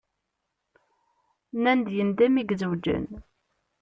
Nan-d yendem i izewǧen.